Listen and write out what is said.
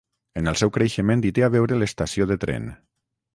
En el seu creixement hi té a veure l'estació de tren